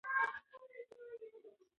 دی یوازې د خپلې کورنۍ د بقا په فکر کې و.